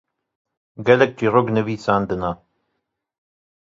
Gelek çîrok nivîsandine.